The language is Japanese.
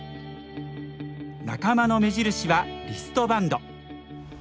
仲間の目印はリストバンド。